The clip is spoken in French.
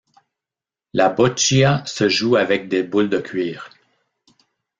La boccia se joue avec des boules de cuir.